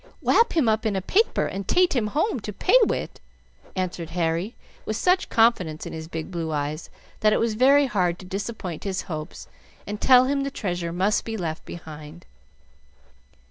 "Wap him up in a paper and tate him home to pay wid," answered Harry, with such confidence in his big blue eyes that it was very hard to disappoint his hopes and tell him the treasure must be left behind.